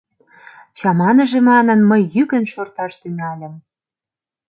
Чаманыже манын, мый йӱкын шорташ тӱҥальым.